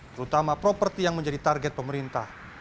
terutama properti yang menjadi target pemerintah